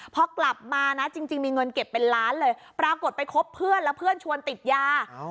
พอกลับมานะจริงมีเงินเก็บเป็นล้านเลยปรากฏไปคบเพื่อนแล้วเพื่อนชวนติดยา